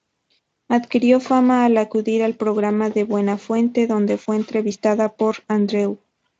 Adquirió fama al acudir al programa de Buenafuente, donde fue entrevistada por Andreu.